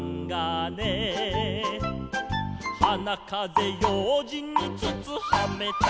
「はなかぜようじんにつつはめた」